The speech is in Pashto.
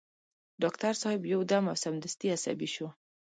ډاکټر صاحب يو دم او سمدستي عصبي شو.